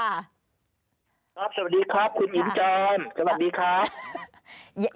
สวัสดีครับคุณอิ๋มแจมสวัสดีครับ